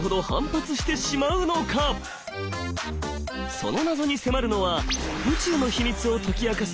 その謎に迫るのは宇宙の秘密を解き明かす